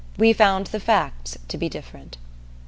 We found the facts to be different.